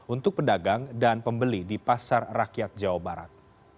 untuk pedagang dan pembeli di pasar rakyat jawa barat